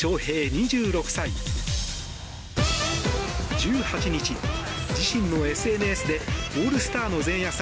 １８日、自身のＳＮＳでオールスターの前夜祭